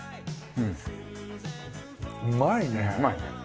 うまいね。